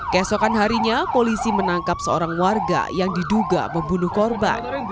kesokan harinya polisi menangkap seorang warga yang diduga membunuh korban